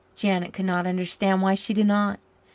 Janet could not understand why she did not.